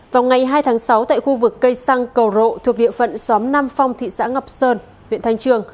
vào ngày hai tháng sáu tại khu vực cây xăng cầu rộ thuộc địa phận xóm nam phong thị xã ngọc sơn huyện thanh trường